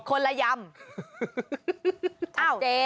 คนละยำ